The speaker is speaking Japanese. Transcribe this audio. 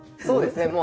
そうですね。